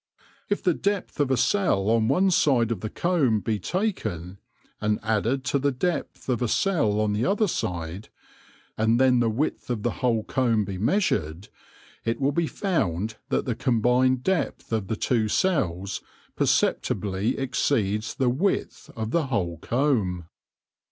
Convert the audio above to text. If the depth of a cell on one side of the comb be taken, and added to the depth of a cell on the other side, and then the width of the whole comb be measured, it will be found that the combined depth of the two cells perceptibly exceeds the width of the whole comb.